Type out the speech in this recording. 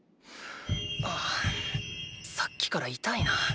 あーさっきから痛いな。